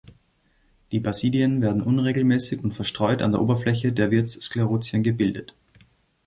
Die Basidien werden unregelmäßig und verstreut an der Oberfläche der Wirts-Sklerotien gebildet.